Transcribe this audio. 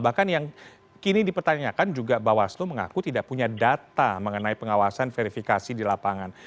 bahkan yang kini dipertanyakan juga bawaslu mengaku tidak punya data mengenai pengawasan verifikasi di lapangan